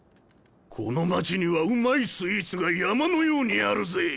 この町にはうまいスイーツが山のようにあるぜ！